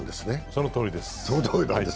そのとおりです。